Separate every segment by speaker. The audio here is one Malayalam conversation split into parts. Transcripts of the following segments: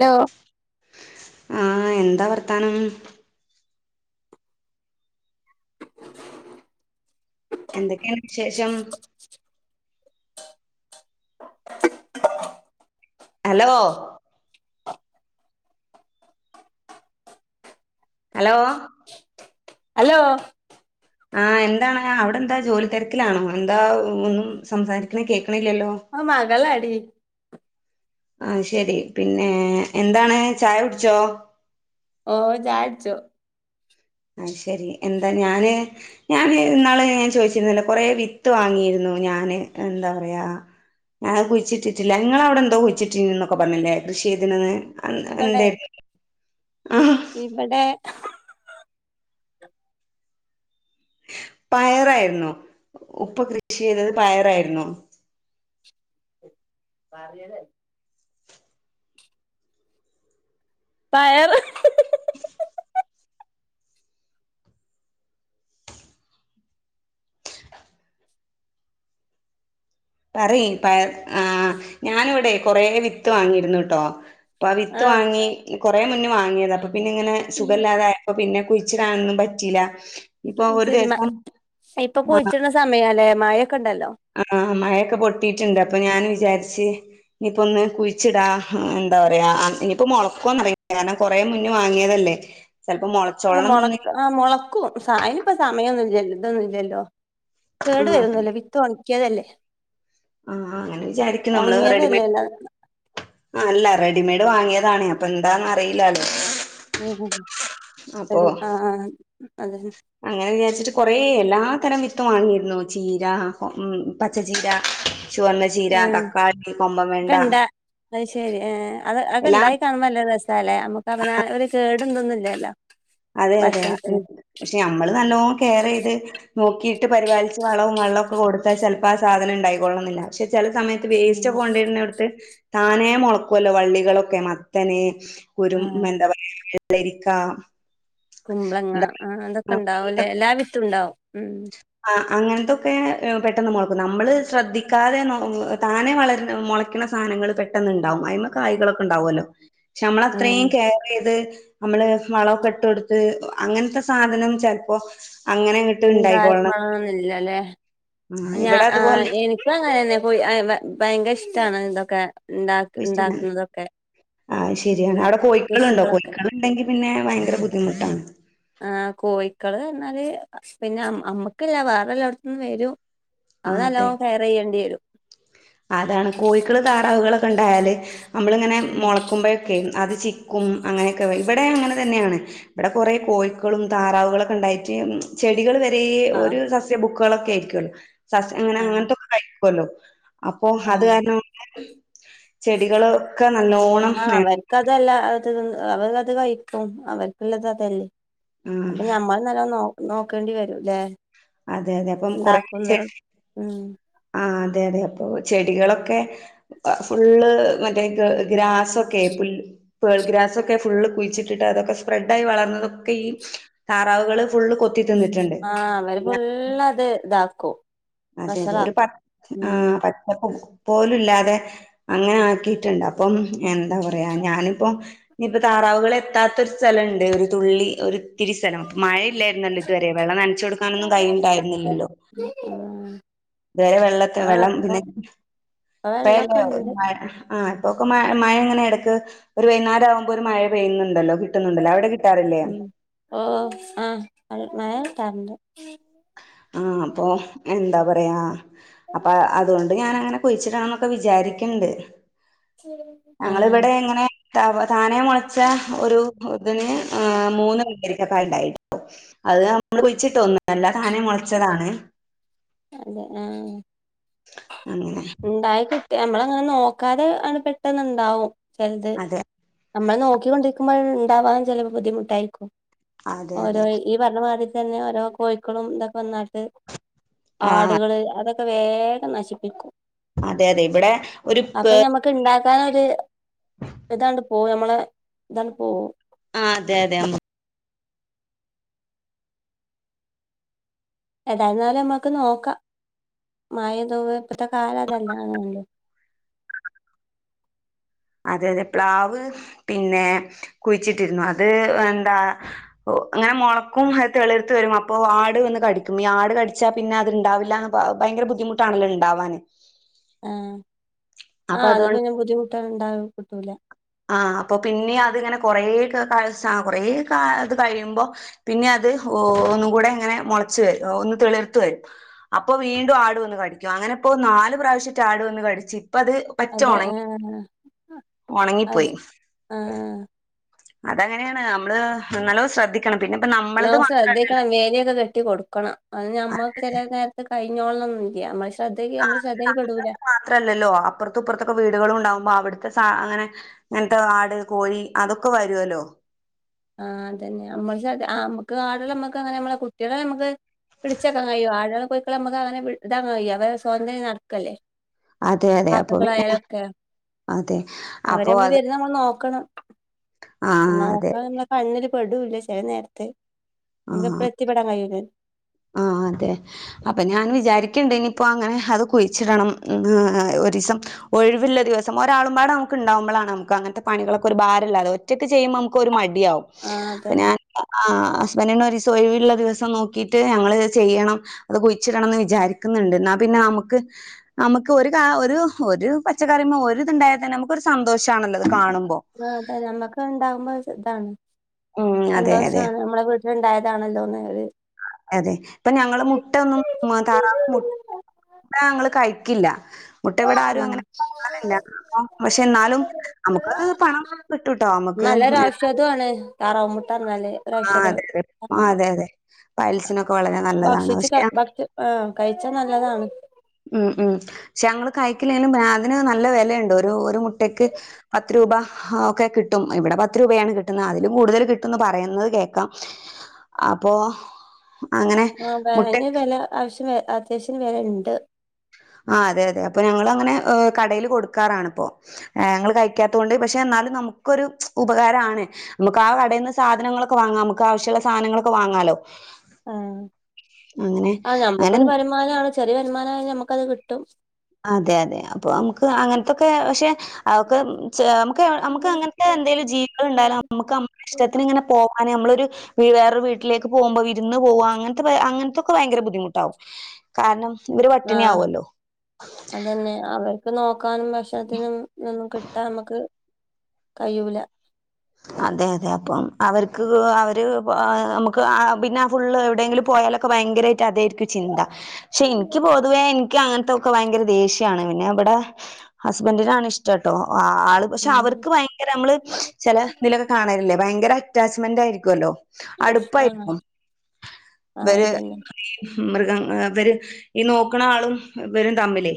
Speaker 1: ലോ
Speaker 2: ആഹ് എന്താ വർത്താനം? എന്തൊക്കെണ് വിശേഷം? ഹലോ ഹലോ
Speaker 1: ഹലോ
Speaker 2: ആഹ് എന്താണ് അവിടെ എന്താ ജോലിതിരക്കിലാണോ എന്താ ഒന്നും സംസാരിക്കണേകേക്ക്ണില്ലല്ലോ?
Speaker 1: അത് മകളാടി.
Speaker 2: ആഹ് ശെരി പിന്നെ എന്താണ് ചായ കുട്ച്ചോ?
Speaker 1: ഓഹ് ചായുട്ച്ചു.
Speaker 2: ആഹ് ശെരി എന്താ ഞാന് ഞാൻ ഇന്നാൾ ഞാൻ ചോദിച്ചിരുന്നല്ലേ കുറേ വിത്ത് വാങ്ങിയിരുന്നു ഞാൻ എന്താ പറയാ ഞാൻ അത് കുഴിച്ചിട്ടിട്ടില്ല നിങ്ങൾ അവിടെ എന്തോ കുഴിച്ചിട്ടിന്നക്കെ പറഞ്ഞില്ലേ കൃഷി ചെയ്ത്ണത് അന്ത്‌ എന്തയ്നു ആഹ് ആഹ്
Speaker 1: ഇവടെ
Speaker 2: പയറായിരുന്നു. ഉപ്പ കൃഷി ചെയ്തത് പയറായിരുന്നു.
Speaker 1: പറെലയ് പയറ്
Speaker 2: പറി പയറ് ആഹ് ഞാനിവിടെ കൊറെ വിത്ത് വാങ്ങിയിരുന്നുട്ടോ. പ്പോ
Speaker 1: ആ
Speaker 2: വിത്ത് വാങ്ങി കുറേ മുന്നേ വാങ്ങിയതാ അപ്പോ പിന്നെ ഇങ്ങനെ
Speaker 1: ഉം
Speaker 2: സുഖമില്ലാതായപ്പോൾ പിന്നെ കുയ്ച്ച് കുഴിച്ചിടാനൊന്നുംപറ്റില്ല. ഇപ്പൊ ഒരു ദിവസം
Speaker 1: സമയാല്ലേ മഴക്കെണ്ടല്ലോ?
Speaker 2: ആഹ് ആഹ് മഴയൊക്കെ പൊട്ടിട്ട്ണ്ട് അപ്പൊ ഞാൻ വിചാരിച്ച് ഇനിയിപ്പോന്ന് കുഴിച്ചിടാം. എന്താ പറയാ ഇനിയിപ്പോ മുളക്കുവോന്നറിയില്ല. കാരണം കുറെേ മുന്നേ വാങ്ങിയതല്ലേ? ചിലപ്പംമൊളകൂ
Speaker 1: അല്ല മോളക്ക ആഹ് മോളക്കും സ അയിന് പ്പോ സമയന്നും ഇല്യല്ലോ ഇതൊന്നും ഇല്യല്ലോ?
Speaker 2: ആ
Speaker 1: കേടു വരുമൊന്നു ഇല്ല. വിത്ത് ഒണക്കിയതല്ലേ?
Speaker 2: ആഹ് അങ്ങനെ വിചാരിക്കും നമ്മള് റെഡിമ
Speaker 1: [unintelligible]
Speaker 2: ആ അല്ല റെഡിമെയ്ഡ് വാങ്ങിയതാണേ അപ്പൊ എന്താന്നന്ന് അറിയില്ലാല്ലോ.
Speaker 1: ഉംഅ ആ ആ അതെ-
Speaker 2: അങ്ങനെ വിചാരിച്ചിട്ട് കൊറെ എല്ലാ തരം വിത്ത് വാങ്ങിയിരുന്നു ചീര, ഉം പച്ചചീര ചുവന്ന ചീര,
Speaker 1: ആ
Speaker 2: തക്കാളി, കൊമ്പൻ വെണ്ട
Speaker 1: ഇപ്പണ്ടാ അത് ശരി അത് അതെക്കെ
Speaker 2: എല്ലാം
Speaker 1: ഉണ്ടായി കാണുമ്പം അല്ലേ ര ല്ലേ നമുക്ക് അവന ഒരു കേട് ഒന്നുമില്ലല്ലോ.
Speaker 2: അതെ അതെ പക്ഷെ നമ്മള് നല്ലോണം കെയർ ചെയ്ത് നോക്കിയിട്ട് പരിപാലിച്ച് വളവും വെള്ളമൊക്കെ കൊടുത്താൽ ചിലപ്പോ ആ സാധനം ഉണ്ടായി കൊള്ളുന്നില്ല പക്ഷെ ചില സമയത്ത് വെയ്സ്റ്റ്
Speaker 1: ഉം
Speaker 2: ഒക്കെ കൊണ്ടിരുന്നടുത്ത താനേ മുളക്കല്ലോ വള്ളികളൊക്കെ മത്തനെ കുരു
Speaker 1: ആ
Speaker 2: എന്താ പറയാ വെള്ളരിക്ക
Speaker 1: കുമ്പളങ്ങ ആ അതൊക്കെ
Speaker 2: എന്താ
Speaker 1: ഉണ്ടാവുംല്ലേ എല്ലാ വിത്തും ഉണ്ടാവും ഉ
Speaker 2: ആ അങ്ങനത്തൊക്കെ പെട്ടെന്ന് മുളക്കും നമ്മള് ശ്രദ്ധിക്കാതെ താനെ വളര മുളക്കണ സാധനങ്ങൾ പെട്ടെന്ന് ഉണ്ടാവും അതി്മ കായകളൊക്കെ ഉണ്ടാവുമല്ലോ പക്ഷെ നമ്മള്
Speaker 1: ആഹ്
Speaker 2: അത്രയും കെയർ ചെയ്ത് നമ്മള് വളമൊക്കെ ഇട്ട് കൊടുത്ത് അങ്ങനത്തെ സാധനം ചിലപ്പോ അങ്ങനെ
Speaker 1: ഉണ്ടായ്ക്കോളമാന്നില്ലല്ലേ
Speaker 2: ആഹ്
Speaker 1: ഞാ
Speaker 2: ഇവിടെ
Speaker 1: ആ
Speaker 2: അതുപോലെ
Speaker 1: എനിക്ക് [unintelligible] ഇങ്ങനെ അങ്ങനെന്നെ പോയി ഭയങ്കര ഇഷ്ടമാണ് ഇന്തൊക്കെ ഇണ്ടാക്കുന്നതൊക്കെ
Speaker 2: ആഹ ശരിയാണ് അവിടെ കോഴിക്കളുണ്ടോ
Speaker 1: കൃഷികളൊക്കെ
Speaker 2: കോഴിക്കള് ഉണ്ടെങ്കി പിന്നെ ഭയങ്കര ബുദ്ധിമുട്ടാണ്
Speaker 1: ആ കോഴിക്കള് പറഞ്ഞാല് പിന്നഞമ്മക്കില്ല വേറെല്ല അവിടത്തന്നന്ന് വരും അത്
Speaker 2: ആഹ് അതെ.
Speaker 1: നല്ലോണം കെയർ ചെയ്യേണ്ടി വരും
Speaker 2: അതാണ് കോഴക്കള് താറാവുകളൾക്കെ ഉണ്ടായാല് നമ്മളിങ്ങനെ
Speaker 1: ഉം
Speaker 2: മുളക്കുമ്പോഴ അത് ചിക്കും അങ്ങനെയൊക്കെ ഇവിടെ അങ്ങനെ തന്നെയാണ് ഇവിടെ കൊറെേ കോഴിക്കളും താറാവുകളൊക്കെ ഉണ്ടായിട്ട് ചെടികൾ വരെ
Speaker 1: ആഹ്
Speaker 2: ഒരു സസ്യ ബുക്കുകളൊക്കെ ആയിരിക്കല്ലോ സസ്യ അങ്ങനെ
Speaker 1: ആഹ്
Speaker 2: അങ്ങനത്തൊക്കെ കഴിക്കുമല്ലോ അപ്പോ അത്
Speaker 1: ആഹ്
Speaker 2: കാരണ ചെടികളൊക്കെ നല്ലോണം
Speaker 1: ആഹ
Speaker 2: നേ-
Speaker 1: അവർക്കതല്ല അത് അവർ അത് കഴിക്കും അവർക്കുള്ളത് അതല്ലേ അപ്പൊ ഞമ്മൾ നല്ലോ നോ നോക്കേണ്ടി വരുംല്ലെ
Speaker 2: അതെ അതെ അപ്പം കൊറ
Speaker 1: കൊന്നര ഉം
Speaker 2: ആ അതെ അതെ അപ്പൊ ചെടികളൊക്കെ ഫുള്ള് മറ്റേ ഗ്രാസ്സൊക്കെ പുല്ല് പേൾഗ്രാസൊക്കെ ഫുള് കുഴിച്ചിട്ടിട്ട് അതൊക്കെ സ്പ്രെഡ് ആയി വളർന്നതൊക്കെ ഈ താറാവുകള് ഫുള്ള് കൊത്തിതിന്നട്ട്
Speaker 1: ആഹ അവര് ഫുള്ള് അത് ഇതാക്കും
Speaker 2: അതെ അതെ ഒരു പ
Speaker 1: വഷളാക്കും ഉം
Speaker 2: ആഹ പച്ചപ്പ പോലുംല്ലാതെ അങ്ങനെ ആക്കിയിട്ടുണ്ട് അപ്പം എന്താ പറയാ ഞാനിപ്പോം ഇനിയിപ്പോ താറാവുകളൾ എത്താത്ത ഒരു സ്ഥലണ്ട് ഒരു തുള്ളി ഒരു ഇത്തിരി സ്ഥലം അപ്പ മഴയില്ലായിരുന്നല്ലോ ഇതുവരെ വെള്ള നനച്ചു കൊടുക്കാനൊന്ന കൈയിണ്ടായിരുന്നല്ലോ
Speaker 1: ഉ
Speaker 2: ഇത് വരെ വെള്ളത്തി വെള്ളം പിന്നെ
Speaker 1: ഇപ്പൊ വെള്ളൊക്കെ ഇണ്ട്
Speaker 2: ഇപ്പല്ലഴ ആഹ് ഇപ്പൊക്ക മഴ എങ്ങനെ ഇടക്ക് ഒരു വൈകുന്നരം ആകുമ്പോ ഒരു മഴ പെയ്യുന്നുണ്ടല്ലോ കിട്ടുന്നുണ്ടല്ലോ അവിടെ കിട്ട
Speaker 1: ഓ ആഹ് മയട്ടാറുണ്ട്
Speaker 2: ആഹ് അപ്പൊ എന്താ പറയാ അപ്പ അതുകൊണ്ട് ഞാനങ്ങനെ കുഴിച്ചിടണന്നൊക്കെ വിചാരിക്കണ്ട്
Speaker 1: ആഹ്
Speaker 2: ഞങ്ങളിവിടെ ഇങ്ങനെ ത താനെ മുളച്ച ഒരു ഇതിന് മൂന്ന് [unintelligible] ഒറ്റക്കായിണ്ടായിണ് അത് നമ്മള് കുഴിച്ചിട്ടൊന്നല്ല താനെ മുൾ
Speaker 1: അതെ ആ
Speaker 2: അങ്ങനെ
Speaker 1: ഇണ്ടായി കി നമ്മളങ്ങനെ നോക്കാതെ അത് പെട്ടെന്നുണ്ടാവും ചെലത്
Speaker 2: അതെ
Speaker 1: നമ്മൾ നോക്കിക്കൊണ്ടിരിക്കുമ്പോൾ ഉണ്ടാവാൻ ചില ബുദ്ധിമുട്ടായിരിക്കും
Speaker 2: അതെ
Speaker 1: ഓരോ
Speaker 2: അതെ
Speaker 1: ഈ പറഞ്ഞ മാതിര്തന്നെ ഓരോ കോഴിക്കളും ഇതൊക്കെ വന്നിട്ട്
Speaker 2: ആ
Speaker 1: ആടുകള് അതൊ ക്കെ വേഗം നശിപ്പിക്കും
Speaker 2: അതെ അതെ ഇവിടെ ഒരു പേ
Speaker 1: ക്ക ഉണ്ടാക്കാനൊരു ഇതണ്ട് പോകും നമ്മളെ ഇതാണ്ട് പോവും
Speaker 2: ആ അതെ അതെ അമ്
Speaker 1: ഏതായിന്നാലും നമ്മുക്ക് നോക്കാം മഴ തോവ ഇപ്പത്തെ കാലം അതല്ല ആണല്ലോ
Speaker 2: അതെ അതെ പ്ലാവ് പിന്നെ കുഴിച്ചിട്ടിരുന്നു അത് എന്താ ഓ അങ്ങനെ മുളക്കും തെളിർത്ത് വരും അപ്പോ ആട് വന്ന് കടിക്കും ഈ ആട് കടിച്ചാൽ പിന്നെ അത്ണ്ടാവില്ല ഭയങ്കര ബുദ്ധിമുട്ടാണല്ലോ ഇണ്ടാവാന്
Speaker 1: ആഹ്
Speaker 2: അപ്പൊ
Speaker 1: ആഹ് അതപ്പോ
Speaker 2: അതുകൊണ്ട്
Speaker 1: പിന്നെ ബുദ്ധിമുട്ടാണ് ഇണ്ട കിട്ടൂല
Speaker 2: ആഹ് അപ്പൊ പിന്നെ അതിങ്ങനെ കൊറേ കാല കൊറേ ഇത് കഴിയുമ്പോ പിന്നെ അത് ഒന്ന് കൂടെ ഇങ്ങനെ മുളച്ച് വരും ഒന്ന് തെളിർത്ത വരും അപ്പൊ വീണ്ടും ആടു വന്ന് കടിക്കും അങ്ങനെപ്പോ നാല് പ്രാവശ്യട്ട് ആട് വന്ന് കടിച്ചു ഇപ്പ അത് പറ്റെ
Speaker 1: അതെ
Speaker 2: ഉണങ്ങി
Speaker 1: ആഹ് അത്
Speaker 2: ഉണങ്ങിപ്പോയി
Speaker 1: ശെ ആഹ് ആ
Speaker 2: അതങ്ങനെയാണ് നമ്മള് നല്ലോ ശ്രദ്ധി ക്കണം പിന്നെ നമ്മ
Speaker 1: ല്ലോം ശ്രദ്ധിക്കണം വേലി ഒക്കെ കെട്ടി കൊട് - ക്കണം അത് ഞമ്മക്ക് ചില നേരത്ത് കഴിഞ്ഞോളണന്നില്ല നമ്മള് ശ്രദ്ധക്ക് നമ്മള് ശ്രദ്ധയിൽ പെടുല
Speaker 2: ത്രല്ലല്ലോ അപ്പുറത്തപ്പുറത്തൊക്കെ വീടുകളും ഉണ്ടാവുമ്പോ അവിടുത്തെ സ അങ്ങനെ- ഇങ്ങൻത്തെ ആട് കോഴി അതൊക്കെ വരുവല്ലോ
Speaker 1: ആഹ് അതന്നെ നമ്മള്ക്കത് ആ നമ്മക്ക് ആടളെ നമ്മക്ക് അങ്ങനെ നമ്മളെ കുട്ടികളെ നമ്മുക്ക് പിടിച്ചക്കാ കഴിയോ ആടളും കോഴിക്കള നമുക്ക് അങ്ങനെ ഇതാൻ കഴിയോ അവരെ സ്വാതന്ത്രയി നടക്കല്ലേ
Speaker 2: അതെ അതെ അപ്പൊ പിന്നെ
Speaker 1: കാക്കകളായാലൊക്കെ
Speaker 2: അതെ
Speaker 1: അവരെ നമ്മള് വരുന്ന നമ്മള് നോക്കണം
Speaker 2: ആഹ് അതെ
Speaker 1: മ്മ കണ്ണില് പെടൂല്ല ചില നേരത്തെ നമുക്ക് എപ്പഴ എത്തിപ്പെടാൻ കഴിയൂല്ല
Speaker 2: ആഹ് അതെ അപ്പൊ ഞാൻ വിചാരിക്കണ്ട് ഇനിയിപ്പോ അങ്ങനെ അത് കുഴിച്ചിടണം ഒരീസം ഒഴിവില്ല ദിവസം ഒരാളപാടെ നമുക്ക് ഉണ്ടാവുമ്പളാണ് നമുക്ക് അങ്ങനത്തെ പണികളൊക്കെ ഒരു ഭാരല്ലാതെ ഒറ്റക് ചെയ്യുമ്പോ നമുക്കൊരു മടിയാവും
Speaker 1: ആഹ്
Speaker 2: അപ
Speaker 1: അതന്നെ
Speaker 2: ഞാൻ ആഹ് പെണ്ണിനൊരീസം ഒഴിവുള്ള ദിവസം നോക്കിയിട്ട് ഞങ്ങളത് ചെയ്യണം അത് കുഴിച്ചിടണംന്ന് വിചാരിക്കുന്നുണ്ട് എന്നാ പിന്നെ നമുക്ക് നമുക്ക് ഒരു കാ ഒരു ഒരു പച്ചക്കറിമ്മ ഒരിതുണ്ടായ തന്നെ നമുക്കൊരു സന്തോഷാണല്ലോത് കാണുമ്പോ
Speaker 1: ആ അതെ നമ്മക്ക് ഉണ്ടാവുമ്പോ ഇതാണ്
Speaker 2: ഉം അതെ അതെ
Speaker 1: സന്തോഷാണ് നമ്മെളെ വീ ട്ടിലുണ്ടായതാണല്ലോന്ന് ഒര്
Speaker 2: അതെ, അതെ ഇപ്പൊ ഞങ്ങള് മുട്ടൊന്നും താറാവ് മു ട്ട ഞങ്ങള് കഴിക്കില്ല. മുട്ട ഇവിടെ ആരും
Speaker 1: ആഹ്
Speaker 2: അങ്ങനെ ല്ല അ പക്ഷെ എന്നാലും നമുക്ക് പണം കിട്ടൂട്ടോ നമ്മുക്ക്.
Speaker 1: ചതുവാണ് താറാവുമുട്ടറഞ്ഞാല്
Speaker 2: ആഹ്
Speaker 1: പ്രക്ഷത
Speaker 2: അതെ അതെ ആഹ്
Speaker 1: [unintelligible]
Speaker 2: അതെ അതെ പയൽസിനൊക്കെ വളരെ നല്ലതാണ്
Speaker 1: ഭക്ഷിച്ച
Speaker 2: പക്ഷെ
Speaker 1: ഭക്ഷ- ആ കഴിച്ചാ നല്ലതാണ്.
Speaker 2: ഉം, ഉം ഷെ ഞങ്ങള് കഴക്കലനും പിന്ന അതിന് നല്ല വെലയുണ്ട് ഒരു ഒരു മുട്ടക്ക് പത്ത് രൂപ. ഹാ ഒക്കെ കിട്ടും ഇവിടെ പത്ത് രൂപയാണ് കിട്ടുന്ന അതിലും കൂടുതൽ കിട്ടുംന്ന് പറയുന്നത് കേക്കാം. അപ്പോ അങ്ങനെ
Speaker 1: ആഹ്
Speaker 2: മുട്ടെ
Speaker 1: അതിന് വെല ആവശ്യം വ അത്യാവശ്യത്തിന് വേലെണ്ട്.
Speaker 2: ആ അതെ, അതെ അപ്പൊ ഞങ്ങളങ്ങനെ കടെല് കൊടുക്കാറാണ് പ്പോ. ഏ ഞങ്ങള് കഴിക്കാത്തോണ്ട് പക്ഷെ എന്നാലും നമുക്കൊരു ഉപകാരാണ്. നമുക്ക് ആ കടെന്ന് സാധനങ്ങളൊക്കെ വാങ്ങാം നമുക്ക് ആവശ്യുള്ള സാനങ്ങളൊക്കെ വാങ്ങാല്ലോ.
Speaker 1: ആഹ് ആ നമ്മുക്കൊരു
Speaker 2: അങ്ങനെ
Speaker 1: വരുമാനണ് ചെറിയ വരുമാനം ആ ഞമ്മുക്കത് കിട്ടും.
Speaker 2: അതെ, അതെ അപ്പൊ നമുക്ക് അങ്ങനത്തൊക്കെ പക്ഷെ അവൊക്ക് ചെ ഞ നമുക്ക് അങ്ങനത്തെ എന്തെലും ജീവികള്ഇണ്ടായാലും നമുക്ക് നമ്മ ഇഷ്ടത്തിനിങ്ങനെ പോകാന് നമ്മളൊരു വേറൊരു വീട്ടിലേക്ക് പോകുമ്പോ വിരുന്ന് പോവ അങ്ങനത്തെ അങ്ങനത്തൊക്കെ ഭയങ്കര ബുദ്ധിമുട്ടാവും. കാരണം ഇവര് പട്ടിണി
Speaker 1: ആഹ്
Speaker 2: ആവല്ലോ.
Speaker 1: അതന്നെ അവർക്ക് നോക്കാനും ഭക്ഷണത്തിനും ഒന്നും കിട്ടാ നമുക്ക് കയ്യൂല.
Speaker 2: അതെ, അതെ അപ്പം അവര്ക്ക് അവര് നമുക്ക് ആഹ് പിന്നെ ഫുള്ള് എവിടെങ്കിലും പോയാലും ക്കെ ഭയങ്കരായിട്ട് അതായിരിക്കും ചിന്ത പക്ഷെ ൻക്ക് പൊതുവെ എൻ ക്യങ്ങൻത്തൊക്കെ ഭയങ്കര ദേഷ്യാണ് പിന്നെ വിടെ ഹസ്ബന്റിനാണിഷ്ടട്ടോ ആള് പക്ഷെ
Speaker 1: ഉം
Speaker 2: അവർക്ക് ഭയങ്കര മ്മള് തിലൊക്കെ കാണലില്ലേ ഭയങ്കര അറ്റാച്ച്മെന്റ് ആയിരിക്കൊല്ലോ
Speaker 1: ആഹ്
Speaker 2: അടുപ്പായിരിക്കും.
Speaker 1: ആഹ്
Speaker 2: വര്
Speaker 1: അതന്നെ
Speaker 2: മൃഗങ്ങ വര് ഈ നോക്ക്ണാളും വരും തമ്മിലേ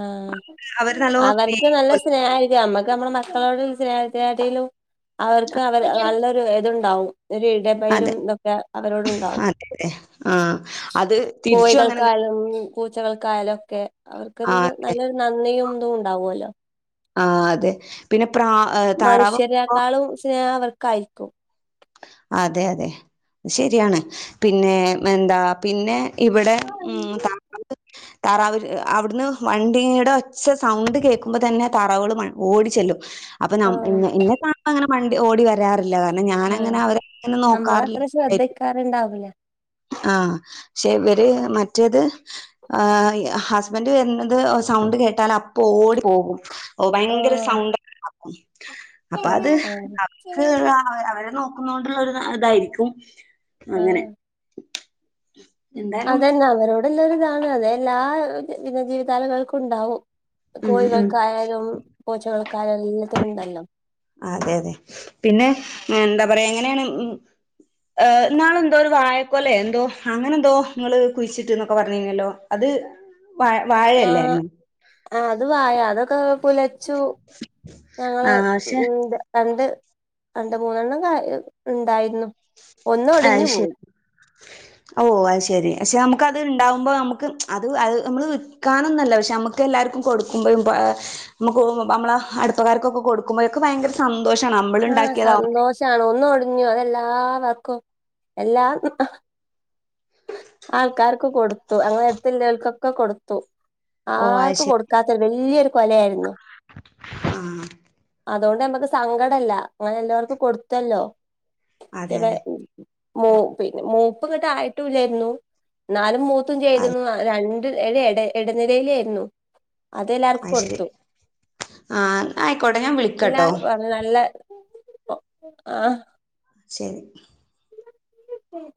Speaker 1: ആഹ്
Speaker 2: അവര് നല്ലോ
Speaker 1: അവർക്ക് നല്ല
Speaker 2: സ്നേഹിക്കുമല്ലോ
Speaker 1: സ്നേഹായിരിക്കും നമ്മക്ക് നമ്മളെ മക്കളോട് സ്നേഹത്താട്ടിലും അവർക്ക് അവര് നല്ലൊരു ഇതുണ്ടാവും. ഒരു ഇടപയലും
Speaker 2: അതെ
Speaker 1: തൊക്കെ അവരോടുണ്ടാവും.
Speaker 2: അതെ അതെ ആ അത് തിരിച്ചും അങ്ങനെ തന്നെ.
Speaker 1: കോയികൾക്കാലും പൂച്ചകൾക്കായാലൊക്കെ അവർക്കൊരു
Speaker 2: ആ
Speaker 1: നല്ലൊരു നന്ദിയും ഇതുംണ്ടാവല്ലോ.
Speaker 2: ആഹ് അതെ പിന്നെ പ്രാ താറാവ് ഇപ്പോ
Speaker 1: ക്കാളും സ്നേഹവർക്കായിരിക്കും.
Speaker 2: അതെ, അതെ ശരിയാണ് പിന്നെ എന്താ പിന്നെ ഇവിടെ ഉം [unintelligible] തറാവര് അവിടുന്ന് വണ്ടിയുടെ ഒച്ച സൗണ്ട് കേക്കുമ്പ തന്നെ താറവാള് മ ഓടിച്ചെല്ലും. അപ്പൊ നം
Speaker 1: ആഹ്
Speaker 2: ഇന്നെ, ഇന്നെ കാണുമ്പങ്ങനെ മണ്ടി ഓടി വരാറില്ല കാരണം ഞാനങ്ങനെ അവരെങ്ങനെ നോക്കാറില്ല.
Speaker 1: കറിണ്ടാവൂല്ലേ.
Speaker 2: ആഹ് പക്ഷെ ഇവര് മറ്റേത് ആഹ് ഹസ്ബന്റ് വര്ണത് സൗണ്ട് കേട്ടാലപ്പ ഓടി പോകും. ഓ ഭയങ്കര
Speaker 1: ഓഹ്
Speaker 2: സൗണ്ട്ണ്ടാക്കും അപ്പത്
Speaker 1: ആഹ് ആഹ്
Speaker 2: അവർക്ക് അവരെ നോ ന്നൊണ്ടുള്ളരു ഇതായിരിക്കും അങ്ങനെ
Speaker 1: ആഹ്
Speaker 2: എന്തായാലും
Speaker 1: അതെന്നെ അവരോട്ല്ലൊരിതാണ് അതെല്ലാ വിധ ജീവിതാലകൾക്കുണ്ടാവും.
Speaker 2: ഉം ഉം
Speaker 1: കോഴികൾക്കായാലും. പോച്ചകൾക്കായാലും. എല്ലത്തിലുണ്ടല്ലോ
Speaker 2: അതെ അതെ പിന്നെ എന്താ പറയാ എങ്ങനേണ് ഉം. ന്നാളെന്തോരു വായക്കൊല എന്തോ അങ്ങനെന്തോ ങ്ങള് കുഴിച്ചിട്ട് ന്നൊക്കെ പർഞ്ഞീനല്ലോ? അത് വാ
Speaker 1: ആഹ്
Speaker 2: വാഴയല്ലായിർന്ന.
Speaker 1: ആഹ് അത് വായ അതൊക്കെ കുല ച്ചു ഞങ്ങള്
Speaker 2: ആഹ് പക്ഷെ
Speaker 1: ഉം രണ്ട്. രണ്ട് മൂന്നെണ്ണം ക ണ്ടായിരുന്നു.
Speaker 2: അയ് ശരി. ഓ അത് ശരി പക്ഷെ നമുക്കത് ണ്ടാവുമ്പോ നമുക്ക് അത് അത് നമ്മള് വിൽക്കാനൊന്നല്ല പക്ഷെ നമുക്ക് ക്കെല്ലാർക്കും കൊടുക്കുമ്പോ നമുക്ക് നമ്മള അടുപ്പക്കാർക്കൊക്കെ കൊടുക്കുമ്പോ ക്ക് ഭയങ്കര സന്തോഷാണ് നമ്മള്ണ്ടാക്കിയതാവു
Speaker 1: ണ് ഒന്നൊടിഞ്ഞു അതെല്ലാവർക്കും. എല്ലാ ആൾക്കാർക്ക് കൊടുത്തു ങ്ങങ്ങളെ എട്ത്ത്ല്ലോൽക്കൊക്കെ കൊടുത്തു.
Speaker 2: ഓ
Speaker 1: ആർക്ക് കൊടുത്ത കാത്തൊരു വല്യോരു കൊലയായിരുന്നു.
Speaker 2: ആഹ്
Speaker 1: അതോണ്ട് നമ്മക്ക് സങ്കടല്ല ങ്ങനെല്ലാർക്കും കൊടുത്തല്ലോ?
Speaker 2: അതെ അതെ
Speaker 1: മൂ പിന്നെ മൂപ്പ്ങ്ങട്ട് ആയിട്ടു ഇല്ലായിരുന്നു ന്നാലും മൂത്തും
Speaker 2: അത്
Speaker 1: ചെയ്തിരുന്നു. രണ്ട് ഒരു ഇടനിലേലേയ്ർന്നു. അതെല്ലാർക്കും
Speaker 2: അത് ശരി
Speaker 1: കൊടുത്തു.
Speaker 2: ആ ആയിക്കോട്ടെ ഞാൻ
Speaker 1: പിന്നാ
Speaker 2: വിളിക്കാട്ടോ
Speaker 1: നല്ല ആഹ്
Speaker 2: ശരി
Speaker 1: [inaudible]